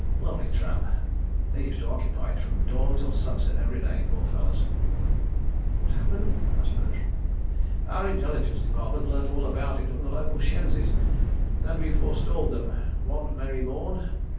... Lovely trap. ... They used to occupy it from dawn to sunset every day, poor fellers. ..." "What happened?" asked Bertram. "Our Intelligence Department learnt all about it from the local shenzis, and we forestalled them one merry morn.